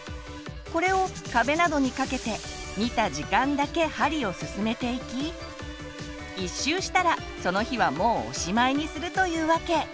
これを壁などにかけて見た時間だけ針を進めていき１周したらその日はもうおしまいにするというわけ。